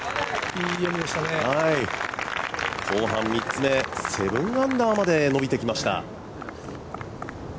後半３つめ７アンダーまで伸びてきました。